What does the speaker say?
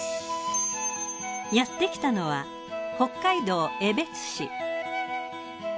やってきたのは北海道江別市。